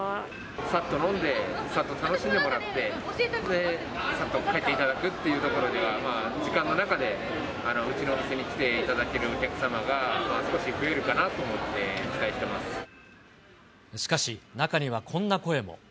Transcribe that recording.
さっと飲んで、さっと楽しんでもらって、それでさっと帰っていただくっていうところでは、時間の中でうちのお店に来ていただけるお客様が少し増えるかなとしかし中にはこんな声も。